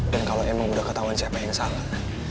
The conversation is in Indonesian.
dan kalau emang udah ketahuan siapa yang salah